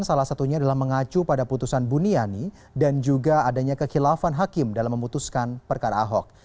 salah satunya adalah mengacu pada putusan buniani dan juga adanya kekhilafan hakim dalam memutuskan perkara ahok